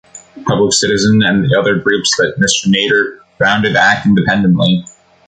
Public Citizen-and the other groups that Mr. Nader founded-act independently.